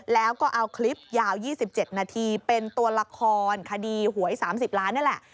แล้วก็เอาคลิปยาว๒๗นาทีเป็นตัวละครคดีหวย๓๐ล้านนี่แหละ